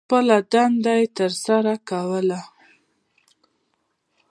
خپله دنده یې تر سرہ کوله.